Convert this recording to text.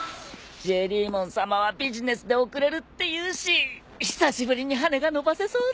ジェリーモンさまはビジネスで遅れるっていうし久しぶりに羽が伸ばせそうだ！